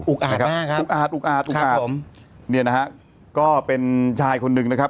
อุ๊กอาดมากครับหรือเปล่าอุ๊กอาดกูเป็นชายคนหนึ่งนะครับ